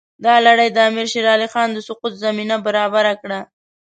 دا لړۍ د امیر شېر علي خان د سقوط زمینه برابره کړه.